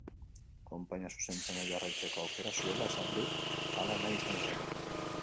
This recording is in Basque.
Konpainia zuzentzen jarraitzeko aukera zuela esan du, hala nahi izanez gero.